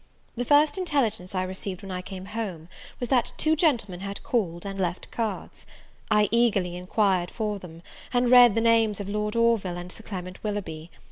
The first intelligence I received when I came home, was, that two gentlemen had called, and left cards. I eagerly enquired for them, and read the names of Lord Orville and Sir Clement Willoughby.